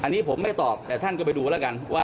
อันนี้ผมไม่ตอบแต่ท่านก็ไปดูละกัน